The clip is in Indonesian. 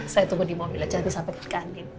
saya tunggu di mobil aja jadi sampai ke kanin